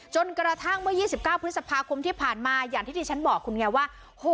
จนกระทั่งเมื่อ๒๙พฤษภาคมที่ผ่านมาอย่างที่ที่ฉันบอกคุณไงว่า